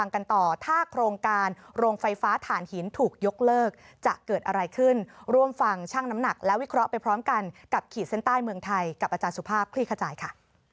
ขอบคุณครับขีดเซ็นต์ใต้เมืองไทยกับอาจารย์สุภาพคลี่ขจายค่ะ